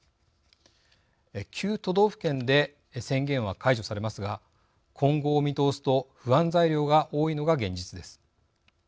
９都道府県で宣言は解除されますが今後を見通すと不安材料が多いのが現実です。